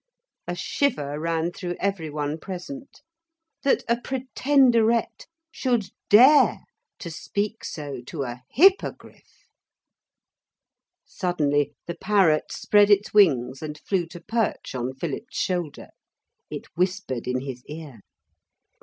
A shiver ran through every one present. That a Pretenderette should dare to speak so to a Hippogriff! Suddenly the parrot spread its wings and flew to perch on Philip's shoulder. It whispered in his ear.